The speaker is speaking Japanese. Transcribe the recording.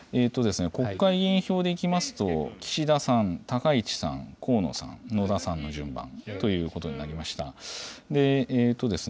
国会議員票でいきますと、岸田さん、高市さん、河野さん、野田さんの順番ということになりました。